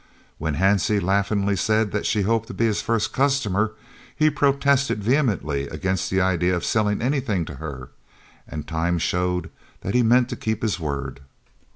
When Hansie laughingly said that she hoped to be his first customer, he protested vehemently against the idea of selling anything to her, and time showed that he meant to keep his word.